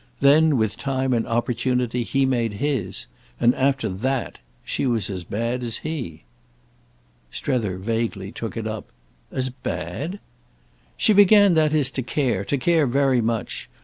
Then with time and opportunity he made his; and after that she was as bad as he." Strether vaguely took it up. "As 'bad'?" "She began, that is, to care—to care very much.